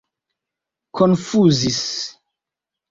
konfuzis